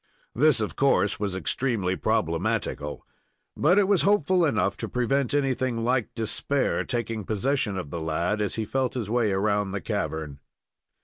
This, of course, was extremely problematical, but it was hopeful enough to prevent anything like despair taking possession of the lad as he felt his way around the cavern.